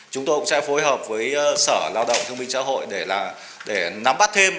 chúng tôi cũng sẽ phối hợp với sở lao động thương minh xã hội để nắm bắt thêm